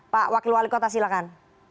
pak wakil wali kota silahkan